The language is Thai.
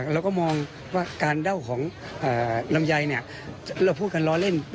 เราก็มองว่าการเดาของลำไยเราพูดกันล้อเล่น